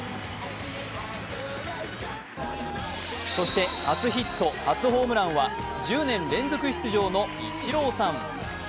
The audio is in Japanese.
そして初ヒット、初ホームランは１０年連続出場のイチローさん。